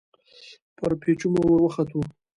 پر پېچومو ور وختو.